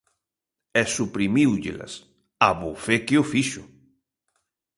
E suprimíullelas, ¡abofé que o fixo!